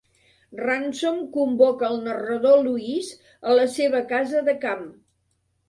Ransom convoca el narrador-Luis a la seva casa de camp.